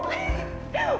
makasih ya pak bu